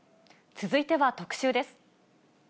続いては特集です。